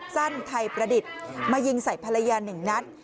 สั้นไทยประดิษฐ์มายิงใส่ภรรยาหนึ่งนัด